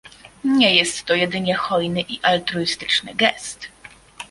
Nie jest to jedynie hojny i altruistyczny gest